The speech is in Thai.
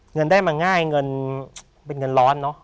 เงินได้มาง่ายเงินเป็นเงินร้อนเนอะ